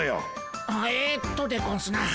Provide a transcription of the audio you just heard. ええっとでゴンスな。